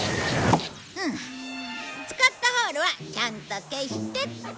使ったホールはちゃんと消してと。